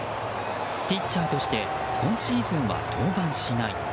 ピッチャーとして今シーズンは登板しない。